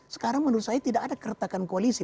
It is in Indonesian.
sekarang menurut saya tidak ada keretakan koalisi